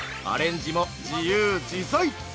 アレンジも自由自在！